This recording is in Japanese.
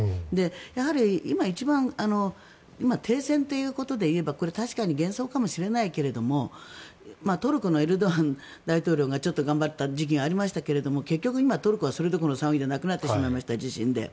やはり今一番停戦ということで言えば確かに幻想かもしれないけれどトルコのエルドアン大統領がちょっと頑張ってた時期がありましたが結局今、トルコはそれどころの騒ぎではなくなってしまいました地震で。